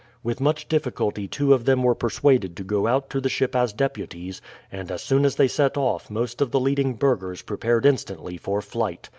With much difficulty two of them were persuaded to go out to the ship as deputies, and as soon as they set off most of the leading burghers prepared instantly for flight.